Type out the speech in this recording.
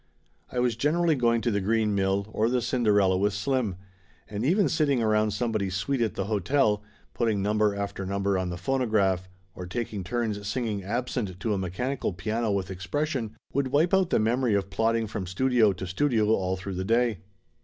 I was generally going to the Green Mill or the Cinderella with Slim. And even sitting around somebody's suite at the hotel, putting number after number on the phonograph, or taking turns sing ing Absent to a mechanical piano with expression, would wipe out the memory of plodding from studio to studio all through the day.